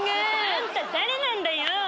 あんた誰なんだよ？